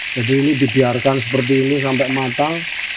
jadi ini dibiarkan seperti ini sampai matang